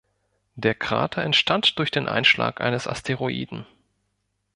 Der Krater entstand durch den Einschlag eines Asteroiden.